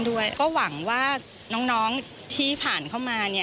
สถิตย์ด้านด้านนี้จะมีเป็นอันที่๓